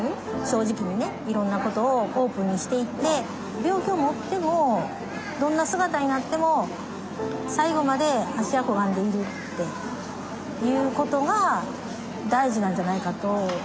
正直にねいろんな事をオープンにしていって病気を持ってもどんな姿になっても最後まで芦屋小雁でいるっていう事が大事なんじゃないかと。